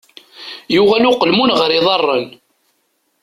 Yuɣal uqelmun ɣer yiḍarren.